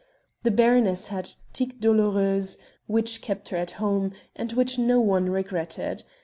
The baroness had "tic douloureux" which kept her at home, and which no one regretted.